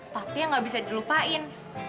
tapi gak bisa dilupain